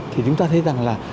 thì chúng ta thấy rằng là